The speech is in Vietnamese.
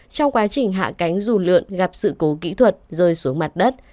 trong quá trình hạ cánh dù lượn gặp sự cố kỹ thuật rơi xuống mặt đất